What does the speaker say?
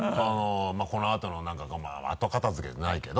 このあとの後片付けじゃないけど。